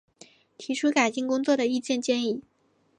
提出改进工作的意见建议